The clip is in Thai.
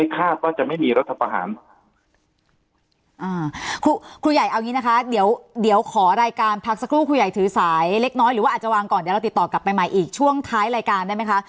ครูใหญ่เอางี้นะคะเดี๋ยวเดี๋ยวขอรายการพักสักครู่ครูใหญ่ถือสายเล็กน้อยหรือว่าอาจจะวางก่อนเดี๋ยวเราติดต่อกลับไปใหม่อีกช่วงท้ายรายการได้ไหมคะ